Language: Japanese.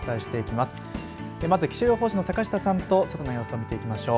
まず、気象予報士の坂下さんと外の様子を見ていきましょう。